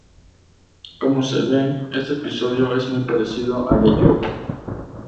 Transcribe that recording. Como se ve, este episodio es muy parecido al de Job.